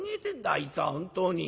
あいつは本当に。